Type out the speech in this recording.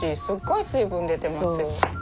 すっごい水分出てますよ。